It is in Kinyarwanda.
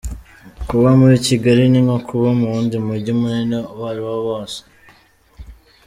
Kuba muri Kigali ni nko kuba mu wundi mujyi munini uwo ari wo wose.